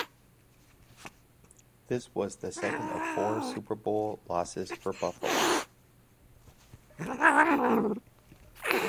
This was the second of four Super Bowl losses for Buffalo.